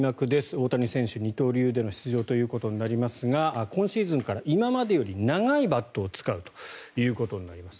大谷選手、二刀流での出場ということになりますが今シーズンから今までより長いバットを使うということになります。